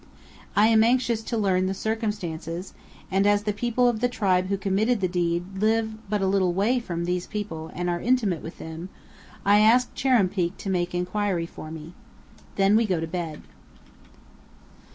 I am anxious to learn the circumstances, and as the people of the tribe who committed the deed live but a little way from these people and are intimate with them, I ask Chuar'ruumpeak to make inquiry for me. Then we go to bed.